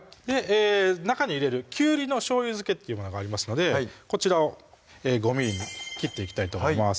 中に入れるきゅうりのしょうゆ漬けがありますのでこちらを５ｍｍに切っていきたいと思います